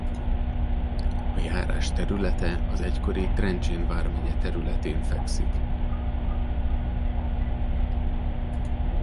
A járás területe az egykori Trencsén vármegye területén fekszik.